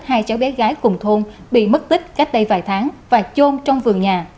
hai cháu bé gái cùng thôn bị mất tích cách đây vài tháng và chôn trong vườn nhà